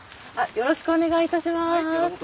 よろしくお願いします。